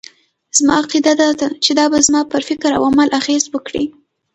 زما عقيده دا ده چې دا به زما پر فکراو عمل اغېز وکړي.